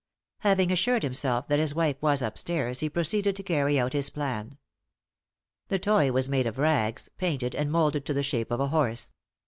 Having assured himself that his wife was upstairs, he proceeded to carry out his plan. The toy was made of rags, painted and moulded to the shape of a horse.